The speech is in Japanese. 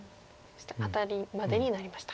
アタリまでになりました。